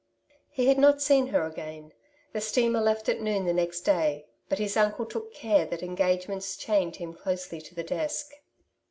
He had not seen her again. The steamer left at noon the next day, but his uncle took care that engagements chained him closely to the desk.